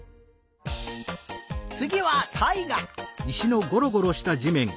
つぎはたいが。